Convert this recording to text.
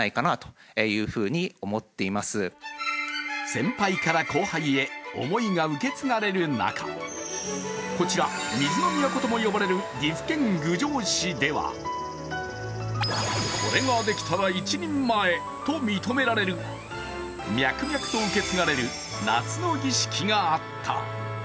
先輩から後輩へ思いが受け継がれる中こちら、水の都とも呼ばれる岐阜県郡上市ではこれができたら一人前と認められる脈々と受け継がれる夏の儀式があった。